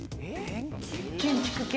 建築系？